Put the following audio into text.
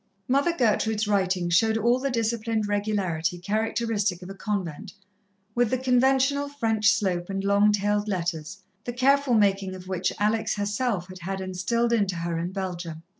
Mother Gertrude's writing showed all the disciplined regularity characteristic of a convent, with the conventional French slope and long tailed letters, the careful making of which Alex herself had had instilled into her in Belgium.